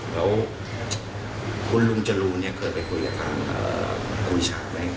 แล้วคุณลุงจรูนเคยไปคุยกับทางครูฉากไหม